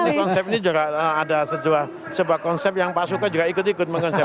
ini konsep ini juga ada sebuah konsep yang pak suka juga ikut ikut mengejar